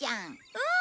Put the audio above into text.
うん。